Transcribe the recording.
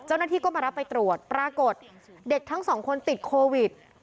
เจ้าหน้าที่ก็มารับไปตรวจปรากฏเด็กทั้งสองคนติดโควิด